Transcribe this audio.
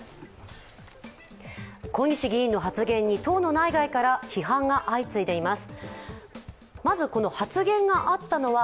小西議員の発言に党の内外から批判が相次いでいます。